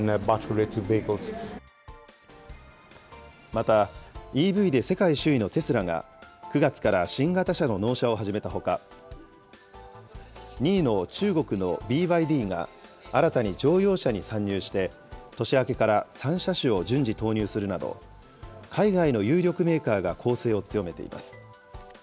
また、ＥＶで世界首位のテスラが９月から新型車の納車を始めたほか、２位の中国のＢＹＤが新たに乗用車に参入して、年明けから３車種を順次投入するなど、海外の有力メーカーが攻勢を強めています。